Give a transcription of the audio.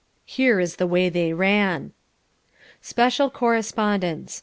Here is the way they ran: "Special Correspondence.